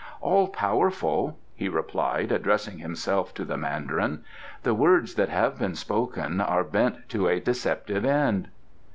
"All powerful," he replied, addressing himself to the Mandarin, "the words that have been spoken are bent to a deceptive end.